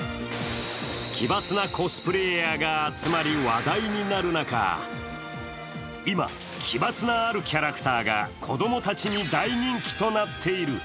奇抜なコスプレーヤーが集まり、話題になる中、今、奇抜なあるキャラクターが子供たちに大人気となっている。